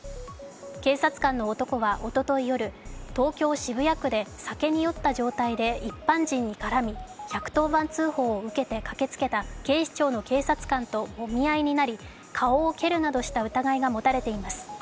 警察官の男はおととい夜、東京・渋谷区で酒に酔った状態で一般人に絡み、１１０番通報を受けて駆けつけた警視庁の警察官ともみ合いになり、顔を蹴るなどした疑いが持たれています。